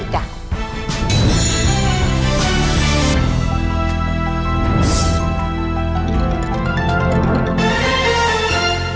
ทุกวันสวัสดีครับ